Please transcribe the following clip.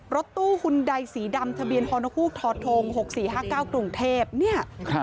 รถตู้หุ่นใดสีดำทะเบียนฮอนกฮูกทท๖๔๕๙กรุงเทพเนี่ย